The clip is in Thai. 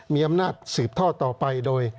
มีอำนาจเสียบทอดต่อไปโดย